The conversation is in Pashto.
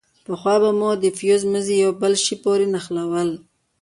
پخوا به مو د فيوز مزي په يوه بل شي پورې نښلول.